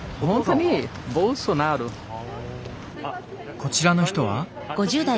こちらの人は？